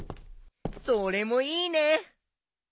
それもいいね！